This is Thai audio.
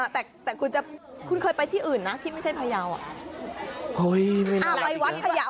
แต่คุณเคยไปที่อื่นนะที่ไม่ใช่พยาว